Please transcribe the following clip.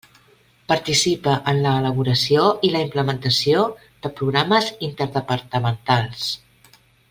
Participa en l'elaboració i la implementació de programes interdepartamentals.